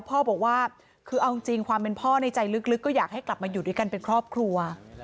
พ่อบอกว่าคือเอาจริงความเป็นพ่อในใจลึกก็อยากให้กลับมาอยู่ด้วยกันเป็นครอบครัว